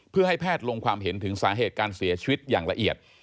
เพื่อให้แพทย์ลงความเห็นถึงสาเหตุการเสียชีวิตอย่างละเอียด